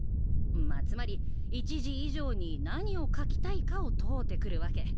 まあつまり１次以上に何を描きたいかを問うてくるわけ。